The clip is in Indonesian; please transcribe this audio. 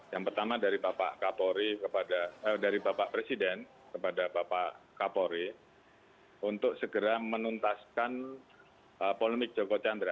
yang pertama dari bapak presiden kepada bapak kapolri untuk segera menuntaskan polemik joko chandra